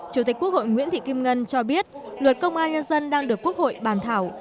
chủ tịch quốc hội nguyễn thị kim ngân cho biết luật công an nhân dân đang được quốc hội bàn thảo